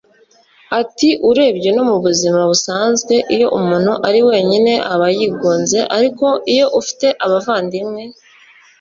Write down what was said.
Ati “ Urebye no mu buzima busanzwe iyo umuntu ari wenyine aba yigunze ariko iyo ufite abavandimwe